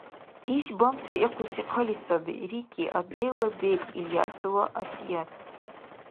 — Иш бамсри ихъуси хъали саби, — рикӀи отделла бекӀ Ильясова Асият.